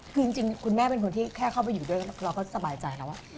คือจริงคุณแม่เป็นคนที่แค่เข้าไปอยู่ด้วยเราก็สบายใจแล้ว